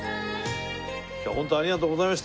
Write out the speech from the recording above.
ホントありがとうございました。